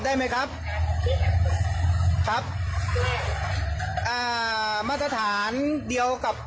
แล้วแต่คุณจะเอามาตรวจครับ